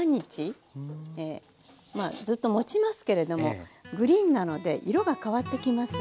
まあずっともちますけれどもグリーンなので色が変わってきます。